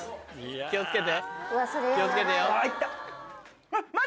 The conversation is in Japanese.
気を付けて。